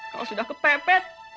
kalau sudah kepepet